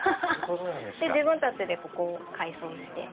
自分たちでここを改装して。